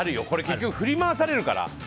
これ結局、振り回されるから。